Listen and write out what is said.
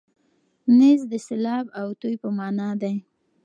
نیز د سېلاب او توی په مانا دی.